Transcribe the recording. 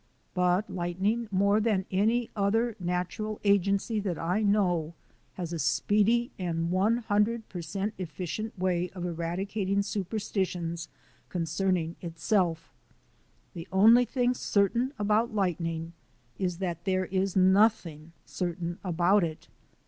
But lightning more than any other natural agency that I know has a speedy and one hundred per cent efficient way of eradicating superstitions concerning itself. The only thing certain about lightning is that there is nothing certain about it.